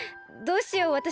どうしよう。